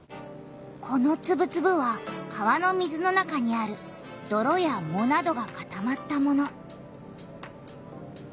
このつぶつぶは川の水の中にあるどろやもなどがかたまったもの。